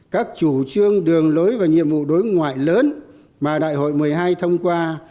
các chủ trương đường lối và nhiệm vụ đối ngoại lớn mà đại hội một mươi hai thông qua